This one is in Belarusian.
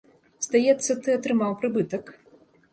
Здаецца, ты атрымаў прыбытак.